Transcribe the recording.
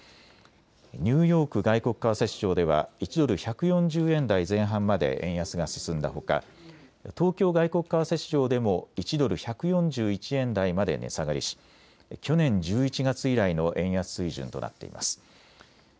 ニューヨーク外国為替市場では１ドル１４０円台前半まで円安が進んだほか東京外国為替市場でも１ドル１４１円台まで値下がりし去年１１月以来の円安水準となっています。